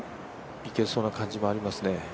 いけそうな感じもありますね。